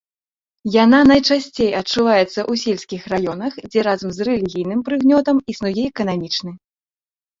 Яна найчасцей адчуваецца ў сельскіх раёнах, дзе разам з рэлігійным прыгнётам існуе эканамічны.